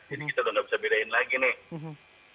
jadi kita udah nggak bisa bedain lagi nih